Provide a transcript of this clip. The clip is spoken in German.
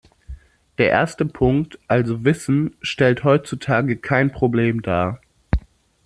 Der erste Punkt also Wissen stellt heutzutage kein Problem dar.